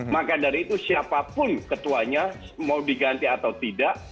maka dari itu siapapun ketuanya mau diganti atau tidak